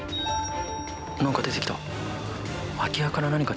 なんか出てきた。